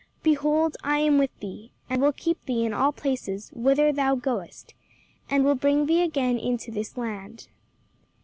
'Behold I am with thee, and will keep thee in all places whither thou goest, and will bring thee again into this land.'"